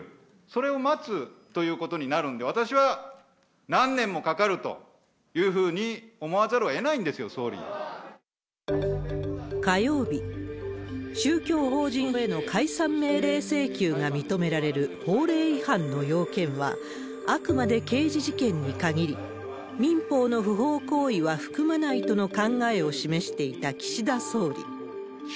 それを待つということになるんで、私は何年もかかるというふうに思わざるをえないんですよ、火曜日、宗教法人への解散命令請求が認められる法令違反の要件は、あくまで刑事事件に限り、民法の不法行為は含まないという考えを示していた岸田総理。